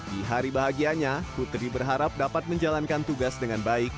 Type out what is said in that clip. di hari bahagianya putri berharap dapat menjalankan tugas dengan baik